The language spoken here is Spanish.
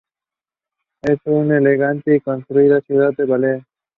Es una elegante y concurrida ciudad balnearia.